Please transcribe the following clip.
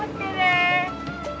oh sial deh